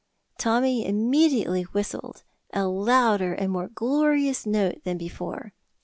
Tommy immediately whistled, a louder and more glorious note than before.